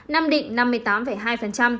nam định năm mươi tám hai